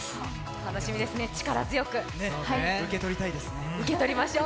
楽しみですね、力強く、受け取りましょう。